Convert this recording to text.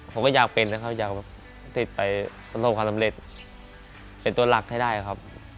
ผมก็อยากเป็นเลยครับอยากติดไปประสบความสำเร็จเป็นตัวหลักให้ได้ครับ